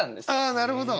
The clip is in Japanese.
あなるほど。